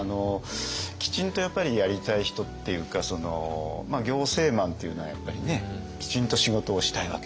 きちんとやっぱりやりたい人っていうか行政マンというのはやっぱりねきちんと仕事をしたいわけですよ。